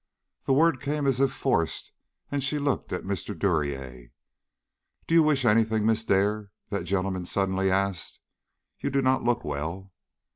The word came as if forced, and she looked at Mr. Duryea. "Do you wish any thing, Miss Dare?" that gentleman suddenly asked. "You do not look well."